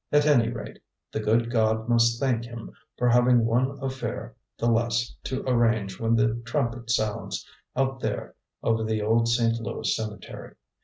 At any rate, the good God must thank him for having one affair the less to arrange when the trumpet sounds out there over the old St. Louis cemetery.